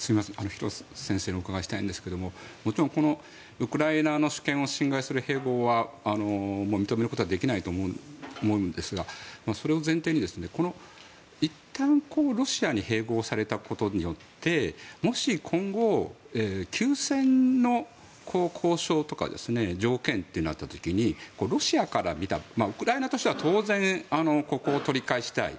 廣瀬先生にお伺いしたいんですがもちろんウクライナの主権を侵害する併合は認めることはできないと思いますが、それを前提にいったんロシアに併合されたことによってもし今後、休戦の交渉とか条件となった時にウクライナとしては当然ここを取り返したい。